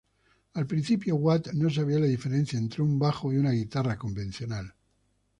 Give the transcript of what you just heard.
Al principio Watt no sabía la diferencia entre un bajo y una guitarra convencional.